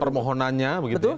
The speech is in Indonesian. dan permohonannya begitu ya